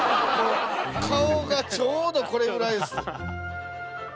顔がちょうどこれぐらいです。